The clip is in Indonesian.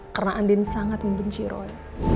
karena andin sangat membenci roy